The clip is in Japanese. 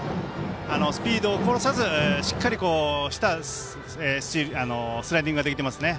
スピードを殺さず、しっかりしたスライディングができてますね。